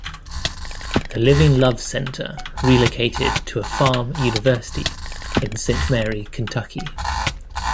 The Living Love Center relocated to a farm-university in Saint Mary, Kentucky.